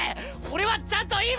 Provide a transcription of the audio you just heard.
俺はちゃんと今！